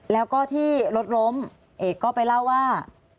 แล้วก็ที่รถล้มเอกก็ไปเล่าว่า